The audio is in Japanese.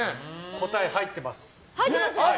答え、入ってます。